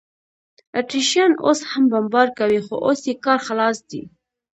اتریشیان اوس هم بمبار کوي، خو اوس یې کار خلاص دی.